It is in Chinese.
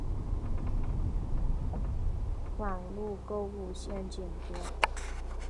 网路购物陷阱多